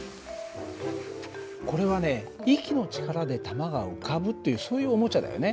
これはね息の力で球が浮かぶっていうそういうおもちゃだよね。